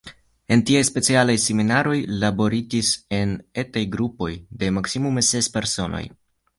En tiaj specialaj semniaroj laboritis en etaj grupoj de maksimume ses personoj.